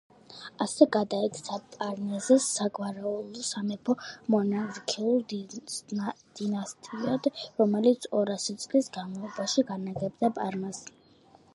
ასე გადაიქცა ფარნეზეს საგვარეულო სამეფო, მონარქიულ დინასტიად, რომელიც ორასი წლის განმავლობაში განაგებდა პარმას.